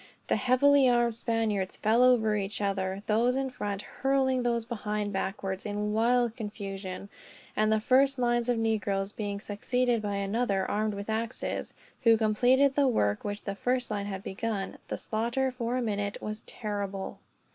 The heavily armed Spaniards fell over each other, those in front hurling those behind backwards in wild confusion; and the first line of negroes being succeeded by another, armed with axes, who completed the work which the first line had begun; the slaughter, for a minute, was terrible.